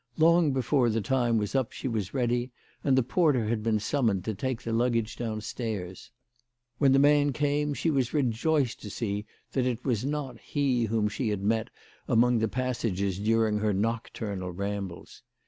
Long before the time was up she was ready, and the porter had been summoned to take the luggage downstairs. When the man came she was rejoiced to CHRISTMAS AT THOMPSON HALL. 233 see that it was not he whom she had met among the passages during her nocturnal rambles.